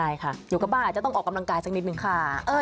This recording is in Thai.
ใช่ค่ะอยู่กับบ้านอาจจะต้องออกกำลังกายสักนิดนึงค่ะ